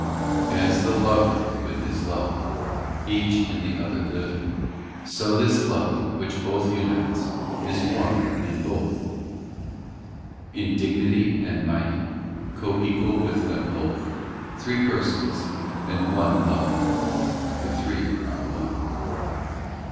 VI As the lover with his love, Each in the other living, So this Love which Both unites Is One in Both. VII In dignity and might Coequal with them Both, Three Persons, and one Love, The Three are One.